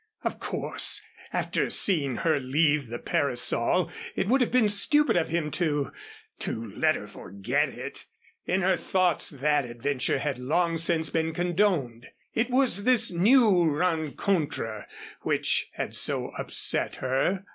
Of course, after seeing her leave the parasol it would have been stupid of him to to let her forget it. In her thoughts that adventure had long since been condoned. It was this new rencontre which had so upset her.